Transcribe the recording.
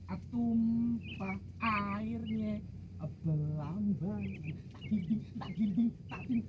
atumpah airnya pelan pelan